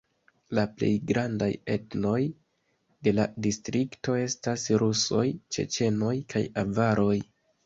La plej grandaj etnoj de la distrikto estas rusoj, ĉeĉenoj kaj avaroj.